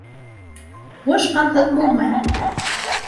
Һуғыш ҡанһыҙ булмай.